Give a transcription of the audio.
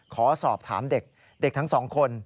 ขอสอบถามเด็กทั้ง๒คน